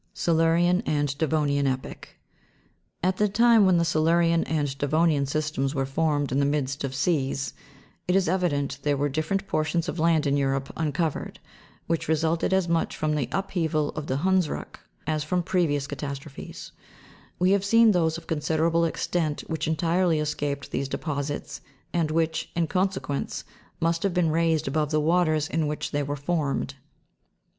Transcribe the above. Silurian and Devonian epoch. At the time when the Silurian and Devonian systems were formed in the midst of seas, it is evi dent there were different portions of land in Europe uncovered, which resulted as much from the upheaval of the Hundsruck as from previous catastrophes : we have seen those of considerable extent which entirely escaped these deposits, and which, in conse quence, must have been raised above the waters in which they were formed.